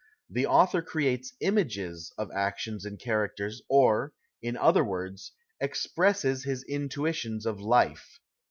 The author creates images of actions and characters, or, in other words, expresses his intuitions of life.